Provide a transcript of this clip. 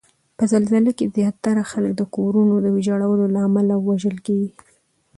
په زلزله کې زیاتره خلک د کورونو د ویجاړولو له امله وژل کیږي